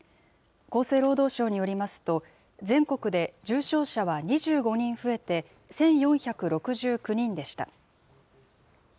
厚生労働省によりますと、全国で重症者は２５人増えて１４６９人でした。